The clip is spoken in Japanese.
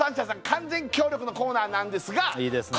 完全協力のコーナーなんですがいいですね